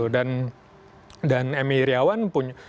dan m i iriawan